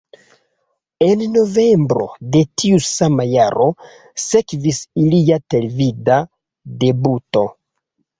En novembro de tiu sama jaro sekvis ilia televida debuto.